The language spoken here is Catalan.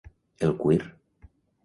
El cuir.